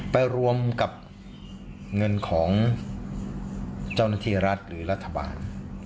ไปรวมกับเงินของเจ้าหน้าที่รัฐหรือรัฐบาล